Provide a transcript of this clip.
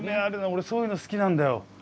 俺そういうの好きなんだよ。